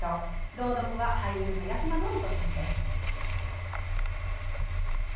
朗読は俳優の八嶋智人さんです。